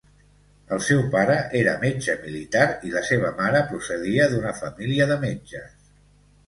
El seu pare era metge militar i la seva mare procedia d'una família de metges.